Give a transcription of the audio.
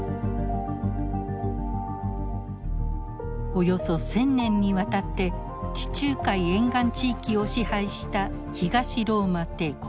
およそ１，０００年にわたって地中海沿岸地域を支配した東ローマ帝国。